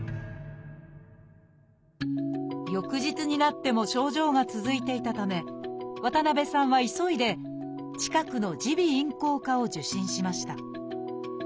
翌日になっても症状が続いていたため渡辺さんは急いで近くの耳鼻咽喉科を受診しました。